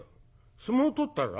『相撲取ったら』？